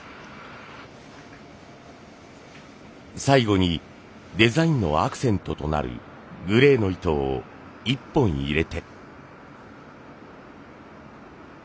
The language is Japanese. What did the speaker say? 最後にデザインのアクセントとなるグレーの糸を１本入れて。